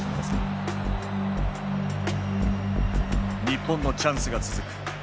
日本のチャンスが続く。